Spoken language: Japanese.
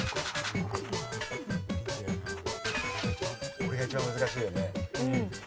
俺が一番難しいよね？